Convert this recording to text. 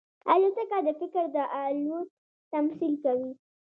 الوتکه د فکر د الوت تمثیل کوي.